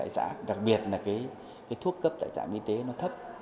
bảy xã đặc biệt là cái thuốc cấp tại trại y tế nó thấp